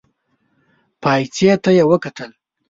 پايڅې ته يې وکتل.